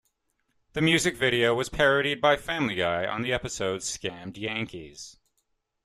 The music video was parodied by Family Guy on the episode "Scammed Yankees".